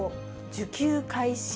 受給開始